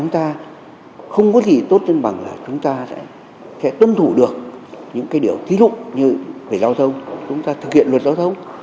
thì tốt hơn bằng là chúng ta sẽ tâm thủ được những cái điều thí lụng như phải giao thông chúng ta thực hiện luật giao thông